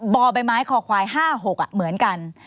บ่อใบไม้คอควาย๕๖เหมือนกัน